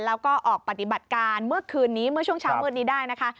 แล้วก็ออกปฏิบัติการเมื่อคืนนี้เมื่อช่วงเช้ามืดนี้ได้นะคะ